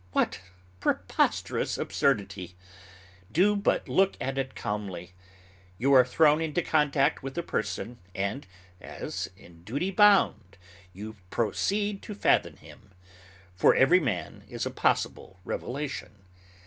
What preposterous absurdity! Do but look at it calmly. You are thrown into contact with a person, and, as in duty bound, you proceed to fathom him: for every man is a possible revelation.